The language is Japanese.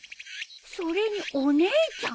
それにお姉ちゃん。